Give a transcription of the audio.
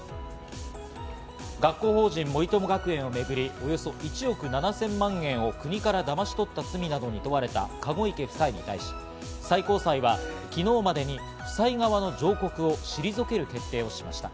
学校法人森友学園をめぐり、およそ１億７０００万円を国からだまし取った罪などに問われた、籠池夫妻に対し、最高裁は昨日までに夫妻側の上告を退ける決定をしました。